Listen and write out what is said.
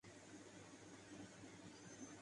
پردہ اٹھادو